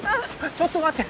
ちょっと待って。